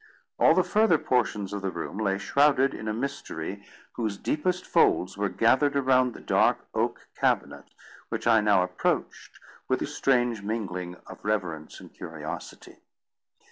All the further portions of the room lay shrouded in a mystery whose deepest folds were gathered around the dark oak cabinet which I now approached with a strange mingling of reverence and curiosity.